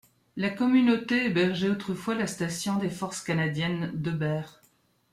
La communauté hébergeait autrefois la station des Forces canadiennes Debert.